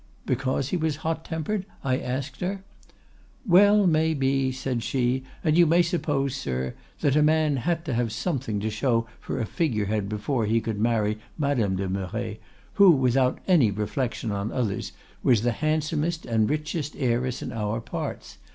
"'Because he was hot tempered?' I asked her. "'Well, may be,' said she; 'and you may suppose, sir, that a man had to have something to show for a figurehead before he could marry Madame de Merret, who, without any reflection on others, was the handsomest and richest heiress in our parts.